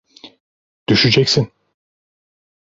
Düşeceksin!